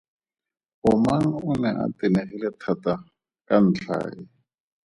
Omang o ne a tenegile thata ka ntlha e.